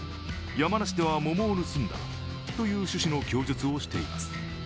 山梨では桃を盗んだという趣旨の供述をしています。